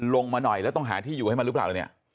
ลงมาหน่อยแล้วต้องหาที่อยู่ให้มันหรือเปล่าแล้วเนี่ย